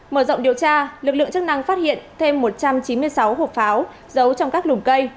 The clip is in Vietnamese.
mở rộng điều tra lực lượng chức năng phát hiện thêm một trăm chín mươi sáu hộp pháo giấu trong các lùm cây